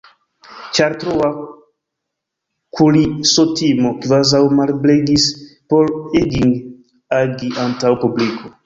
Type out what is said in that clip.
Ĉar troa kulisotimo kvazaŭ malebligis por Egging agi antaŭ publiko.